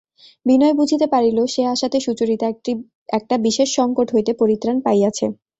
বিনয় বুঝিতে পারিল সে আসাতে সুচরিতা একটা বিশেষ সংকট হইতে পরিত্রাণ পাইয়াছে।